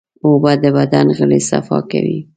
اوبه د بدن غړي صفا کوي.